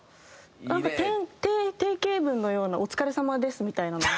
なんか定型文のような「お疲れ様です」みたいなのが。